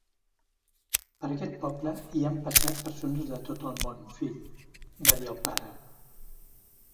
"Per aquest poble, hi han passat persones de tot el món, fill", va dir el pare.